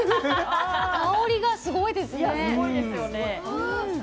香りがすごいですよね。